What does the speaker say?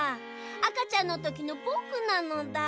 あかちゃんのときのぼくなのだ。